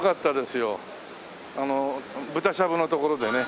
あの豚しゃぶのところでね。